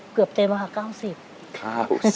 เกือบเต็มแล้วค่ะ๙๐